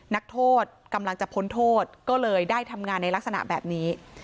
นักโทษกำลังจะพ้นโทษก็เลยได้ทำงานในลักษณะแบบนี้